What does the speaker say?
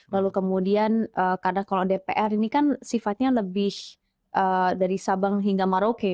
lalu kemudian karena kalau dpr ini kan sifatnya lebih dari sabang hingga maroke